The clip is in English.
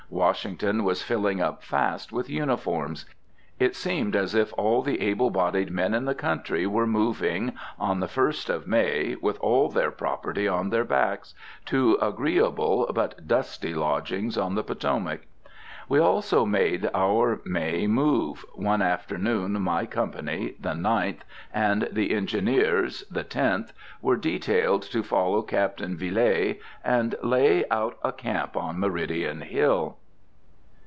Washington was filling up fast with uniforms. It seemed as if all the able bodied men in the country were moving, on the first of May, with all their property on their backs, to agreeable, but dusty lodgings on the Potomac. We also made our May move. One afternoon, my company, the Ninth, and the Engineers, the Tenth, were detailed to follow Captain Vielé, and lay out a camp on Meridian Hill.